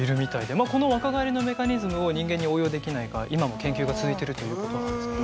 まあこの若返りのメカニズムを人間に応用できないか今も研究が続いてるということなんですけど。